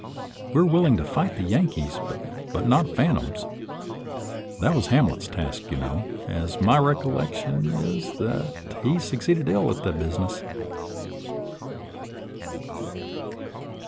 We are willing to fight the Yankees, but not phan toms ; that was Hamlet's task, you know, and my recollection is that he succeeded ill at the busi ness.